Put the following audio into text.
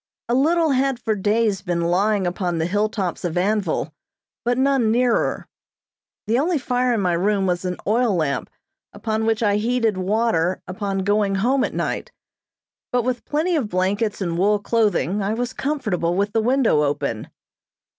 A little had for days been lying upon the hilltops of Anvil, but none nearer. The only fire in my room was an oil lamp upon which I heated water upon going home at night; but with plenty of blankets and wool clothing I was comfortable with the window open.